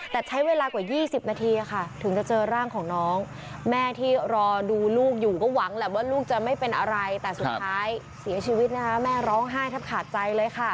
แต่ใช้เวลากว่า๒๐นาทีค่ะถึงจะเจอร่างของน้องแม่ที่รอดูลูกอยู่ก็หวังแหละว่าลูกจะไม่เป็นอะไรแต่สุดท้ายเสียชีวิตนะคะแม่ร้องไห้แทบขาดใจเลยค่ะ